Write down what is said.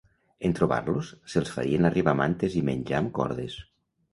En trobar-los, se'ls farien arribar mantes i menjar amb cordes.